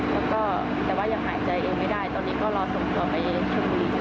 แล้วก็แต่ว่ายังหายใจเองไม่ได้ตอนนี้ก็รอส่งตัวไปเองชนบุรี